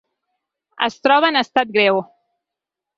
Es troba en estat greu.